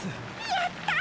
やった！